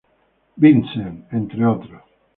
Vincent, entre otros.